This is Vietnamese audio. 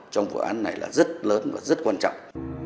trong vụ án này là rất lớn và rất quan trọng